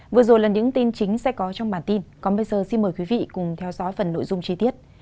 vừa rồi là những tin chính sẽ có trong bản tin còn bây giờ xin mời quý vị cùng theo dõi phần nội dung chi tiết